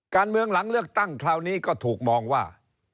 การเมืองหลังเลือกตั้งคราวนี้ก็ถูกมองว่า